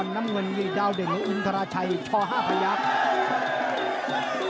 น้ำเงินมีดาวเด่นอินทราชัยช่อ๕พยาบาท